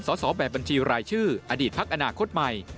สอบแบบบัญชีรายชื่ออดีตพักอนาคตใหม่